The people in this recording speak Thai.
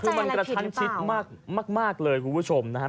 คือมันกระชั้นชิดมากเลยคุณผู้ชมนะครับ